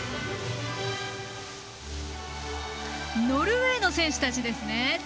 ノルウェーの選手たちです。